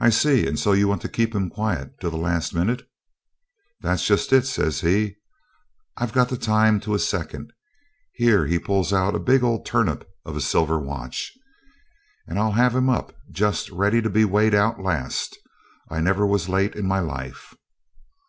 'I see, and so you want to keep him quiet till the last minute?' 'That's just it,' says he; 'I've got the time to a second' here he pulls out a big old turnip of a silver watch 'and I'll have him up just ready to be weighed out last. I never was late in my life.'